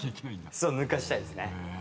そう抜かしたいですね。